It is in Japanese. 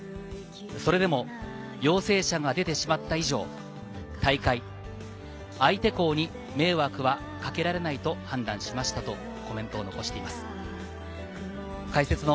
それでも陽性者が出てしまった以上、大会、相手校に迷惑はかけられないと判断しましたとコメントを残しています。